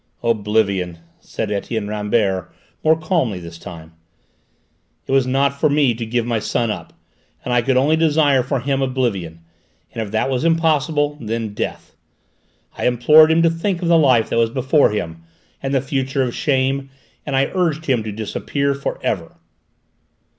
"Oblivion," said Etienne Rambert, more calmly this time. "It was not for me to give my son up, and I could only desire for him oblivion, and if that was impossible, then death. I implored him to think of the life that was before him, and the future of shame, and I urged him to disappear for ever."